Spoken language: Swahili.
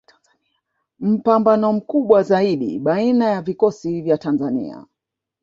Mpambano mkubwa zaidi baina ya vikosi vya Tanzania